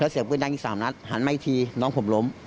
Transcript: เสียงปืนดังอีกสามนัดถูกโรมใจคือหน้าผมล้ม